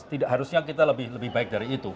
tidak harusnya kita lebih baik dari itu